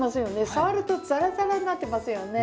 触るとザラザラになってますよね。